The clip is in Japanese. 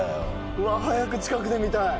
うわっ早く近くで見たい。